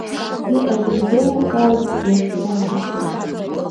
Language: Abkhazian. Иҟаз рзеилымкаазт, иаазҿлымҳахеит.